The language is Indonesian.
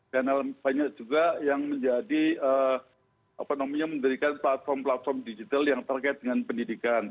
dan banyak juga yang menjadi apa namanya mendirikan platform platform digital yang terkait dengan pendidikan